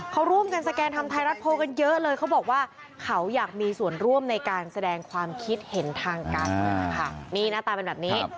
เขาร่วมกันสแกนทำไทยรัฐโพลกันเยอะเลยเขาบอกว่าเขาอยากมีส่วนร่วมในการแสดงความคิดเห็นทางการ